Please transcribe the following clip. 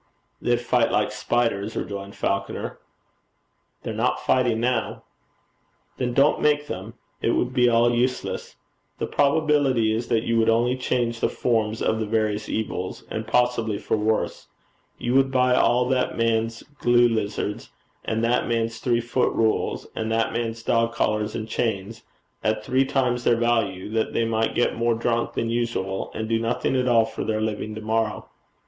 'They'd fight like spiders,' rejoined Falconer. 'They're not fighting now.' 'Then don't make them. It would be all useless. The probability is that you would only change the forms of the various evils, and possibly for worse. You would buy all that man's glue lizards, and that man's three foot rules, and that man's dog collars and chains, at three times their value, that they might get more drink than usual, and do nothing at all for their living to morrow.